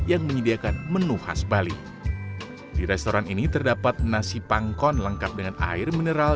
yang menyediakan menu khas bali di restoran ini terdapat nasi pangkon lengkap dengan air mineral